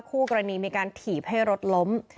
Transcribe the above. คู่กรณีมีการถีบให้รถล้ม